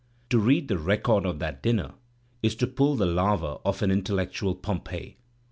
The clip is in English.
To read the record of that dinner is to pull the lava off an intel lectual Pompeii.